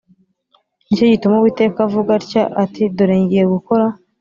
Ni cyo gituma Uwiteka avuga atya ati Dore ngiye gukora